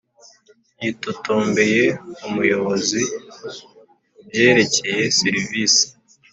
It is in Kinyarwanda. yitotombeye umuyobozi kubyerekeye serivisi.